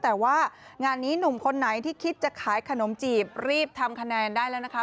แต่ว่างานนี้หนุ่มคนไหนที่คิดจะขายขนมจีบรีบทำคะแนนได้แล้วนะคะ